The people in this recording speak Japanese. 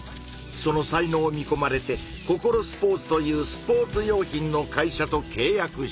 その才能を見こまれてココロスポーツというスポーツ用品の会社とけい約した。